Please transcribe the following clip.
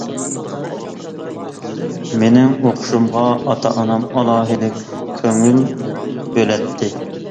مېنىڭ ئوقۇشۇمغا ئاتا -ئانام ئالاھىدە كۆڭۈل بۆلەتتى.